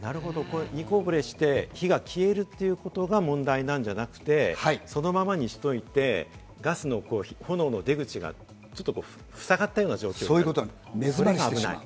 煮こぼれして火が消えるということが問題なんじゃなくて、そのままにしておいて、ガスの炎の出口がちょっとふさがったような状況がある、それが危ないと。